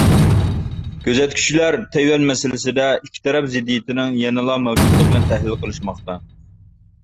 كۆزەتكۈچىلەر تەيۋەن مەسىلىسىدە ئىككى تەرەپ زىددىيىتىنىڭ يەنىلا مەۋجۇتلۇقىنى تەھلىل قىلىشماقتا.